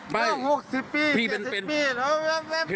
ไม่เลิก